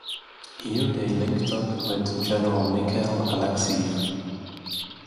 Here they linked up with General Mikhail Alekseev.